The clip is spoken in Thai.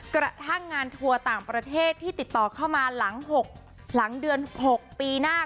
กระทั่งงานทัวร์ต่างประเทศที่ติดต่อเข้ามาหลังเดือน๖ปีหน้า